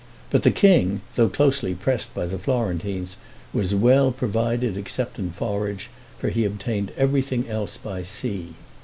But the king, though closely pressed by the Florentines, was well provided except in forage, for he obtained everything else by sea.